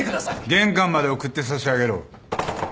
玄関まで送ってさしあげろ。